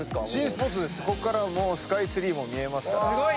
ここからスカイツリーも見えますから。